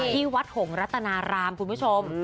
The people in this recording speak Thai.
ที่วัดหงรัตนารามคุณผู้ชม